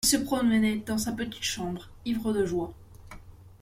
Il se promenait dans sa petite chambre ivre de joie.